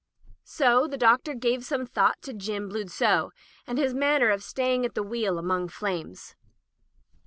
So the Doctor gave some thought to Jim Bludsoe, and his manner of staying at the wheel among flames.